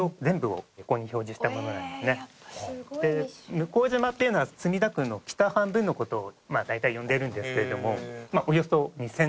向島っていうのは墨田区の北半分の事を大体呼んでるんですけれども。